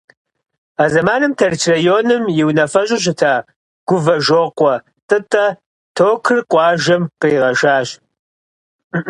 А зэманым Тэрч районым и унафэщӀу щыта Гувэжокъуэ ТӀытӀэ токыр къуажэм къригъэшащ.